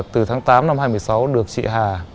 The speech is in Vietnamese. từ tháng tám năm hai nghìn một mươi sáu được chị hà